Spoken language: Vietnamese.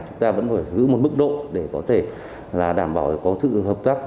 chúng ta vẫn phải giữ một mức độ để có thể là đảm bảo có sự hợp tác